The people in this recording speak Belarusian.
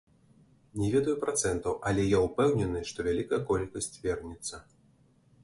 Не ведаю працэнтаў, але я ўпэўнены, што вялікая колькасць вернецца.